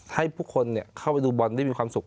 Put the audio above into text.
ให้ผู้คนเข้าไปดูบอลได้มีความสุข